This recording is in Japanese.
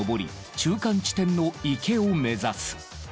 中間地点の池を目指す。